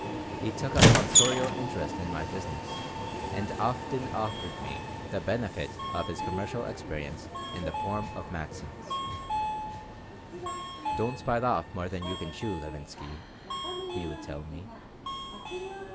He took a sponsorial interest in my business and often offered me the benefit of his commercial experience in the form of maxims "Don't bite off more than you can chew, Levinsky," he would tell me.